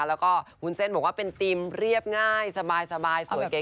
แล้วก็วุ้นเส้นบอกว่าเป็นธีมเรียบง่ายสบายสวยเก๋